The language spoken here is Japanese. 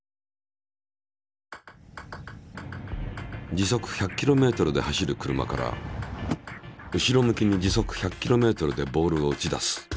時速１００ｋｍで走る車から後ろ向きに時速１００ｋｍでボールを打ち出す。